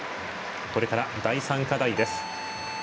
これから第３課題です。